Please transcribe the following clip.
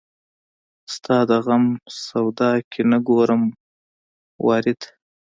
ستا د غم سودا کې نه ګورم وارې ته